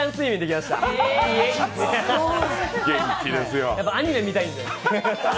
やっぱアニメ見たいんで。